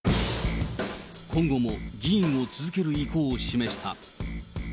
今後も議員を続ける意向を示した。